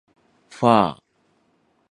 ふぁあ